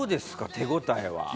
手応えは。